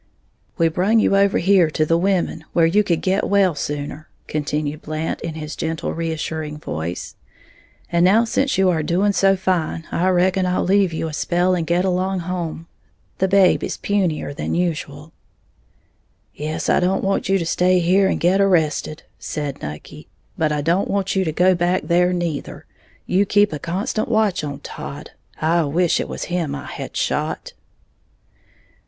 "We brung you over here to the women, where you could get well sooner," continued Blant, in his gentle, reassuring voice; "and now since you are doing so fine, I reckon I'll leave you a spell and get along home, the babe is punier than usual." "Yes, I don't want you to stay here and get arrested," said Nucky; "but I don't want you to go back there neither. You keep a constant watch on Todd, I wish it was him I had shot."